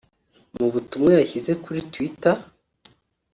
Mu butumwa yashyize kuri Twitter